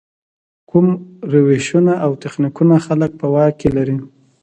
کوم روشونه او تخنیکونه خلک په واک کې لري.